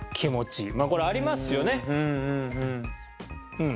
うん。